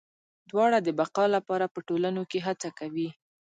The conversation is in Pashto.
دواړه د بقا لپاره په ټولنو کې هڅه کوي.